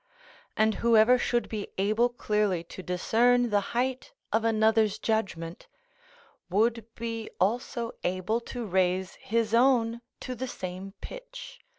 And whoever should be able clearly to discern the height of another's judgment, would be also able to raise his own to the same pitch.